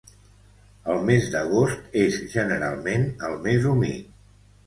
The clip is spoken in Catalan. El mes d'agost és generalment el més humit.